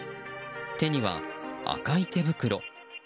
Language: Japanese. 手には、赤い手袋。